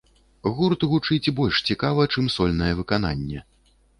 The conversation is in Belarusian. Гурт гучыць больш цікава, чым сольнае выкананне.